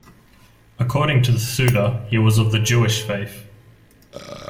According to the "Suda", he was of the Jewish faith.